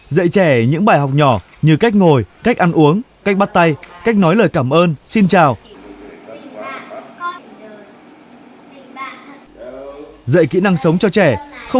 dạy trẻ những bài học nhỏ như cách ngồi cách ăn uống cách bắt tay cách nói lời cảm ơn xin chào